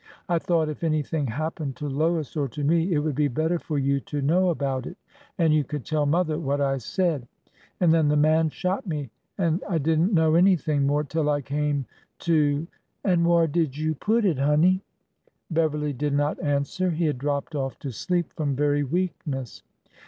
I thought, if anything happened to Lois or to me, it would be better for you to know about it, and you could tell mother what I said. And then the man shot me— and— I did n't know anything more till I came— to —'' An' whar did you put it, honey ?'' Beverly did not answer. He had dropped off to sleep from very weakness.